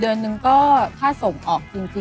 เดือนนึงก็ค่าส่งออกจริง